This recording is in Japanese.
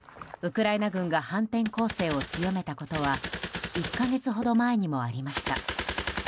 今と同じようにウクライナ軍が反転攻勢を強めたことは１か月ほど前にもありました。